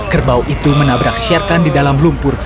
kerbau itu menabrak sherkan di dalam lumpur